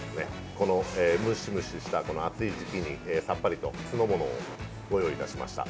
このムシムシしたこの暑い時期にさっぱりと酢の物をご用意いたしました。